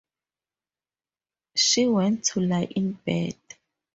She went to lie in bed.